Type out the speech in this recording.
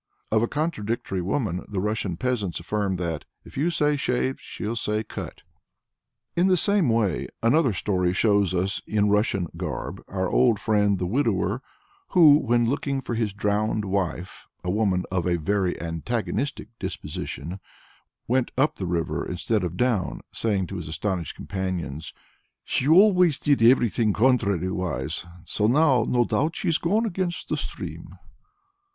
Of a contradictory woman the Russian peasants affirm that, "If you say 'shaved' she'll say 'cut.'" In the same way another story shows us in Russian garb our old friend the widower who, when looking for his drowned wife a woman of a very antagonistic disposition went up the river instead of down, saying to his astonished companions, "She always did everything contrary wise, so now, no doubt, she's gone against the stream."